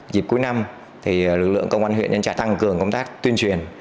dịp cuối năm lực lượng công an huyện nhân trạch tăng cường công tác tuyên truyền